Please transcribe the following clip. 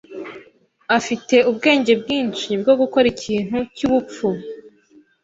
afite ubwenge bwinshi bwo gukora ikintu cyubupfu.